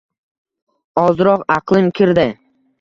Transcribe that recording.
Ozroq aqlim kirdi.